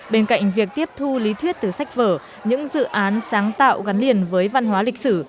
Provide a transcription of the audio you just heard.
bên cạnh việc tiếp thu lý thuyết từ sách vở những dự án sáng tạo gắn liền với văn hóa lịch sử